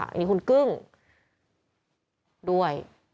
อันนี้คุณกึ้งด้วย